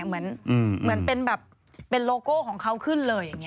เหมือนเป็นโลโก้ของเขาขึ้นเลย